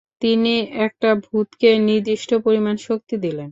তিনি একটা ভূতকে নির্দিষ্ট পরিমাণ শক্তি দিলেন।